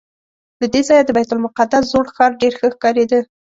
له دې ځایه د بیت المقدس زوړ ښار ډېر ښه ښکارېده.